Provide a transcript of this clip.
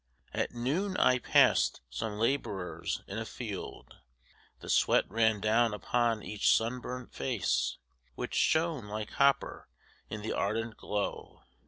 At noon I passed some labourers in a field. The sweat ran down upon each sunburnt face, Which shone like copper in the ardent glow.